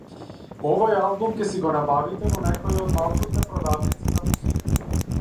Овој албум ќе си го набавите во некоја од малкуте продавници за музика.